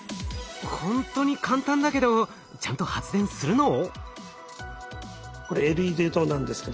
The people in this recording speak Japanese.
ほんとに簡単だけどちゃんと発電するの？